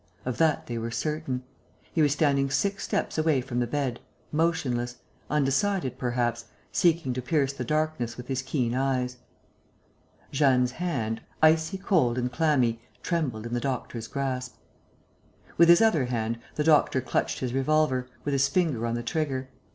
Of that they were certain. He was standing six steps away from the bed, motionless, undecided perhaps, seeking to pierce the darkness with his keen eyes. Jeanne's hand, icy cold and clammy, trembled in the doctor's grasp. With his other hand, the doctor clutched his revolver, with his finger on the trigger.